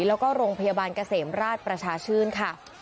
แล้วก็โรงพยาบาลเกษมราชประชาชื่นค่ะ